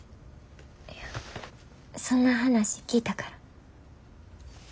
いやそんな話聞いたから。